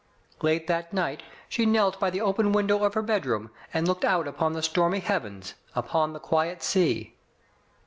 Late that night she knelt by the open window of her bedroom, and looked out upon the stormy heavens, upon the quiet sea.